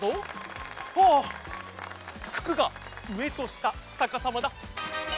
ああふくがうえとしたさかさまだ！